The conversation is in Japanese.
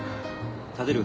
立てる？